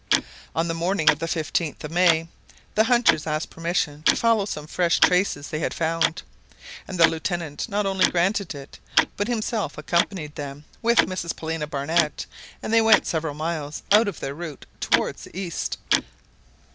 On the morning of the 15th May the hunters asked permission to follow some fresh traces they had found, and the Lieutenant not only granted it, but himself accompanied them with Mrs Paulina Barnett, and they went several miles out of their route towards the east.